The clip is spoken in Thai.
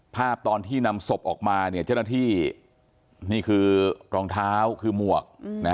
ภาพตอนที่นำศพออกมาเนี่ยเจ้าหน้าที่นี่คือรองเท้าคือหมวก